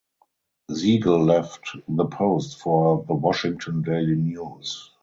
Siegel left "The Post" for "The Washington Daily News".